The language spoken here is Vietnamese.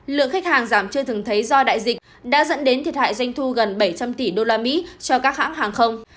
lượng khách hàng giảm chưa thường thấy do đại dịch đã dẫn đến thiệt hại doanh thu gần bảy trăm linh tỷ usd cho các hãng hàng không